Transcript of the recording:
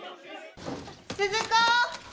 ・鈴子！